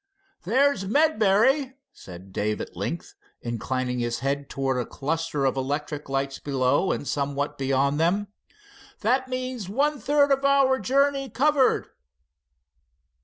"There's Medbury," said Dave at length, inclining his head towards a cluster of electric lights below and somewhat beyond them. "That means one third of our journey covered."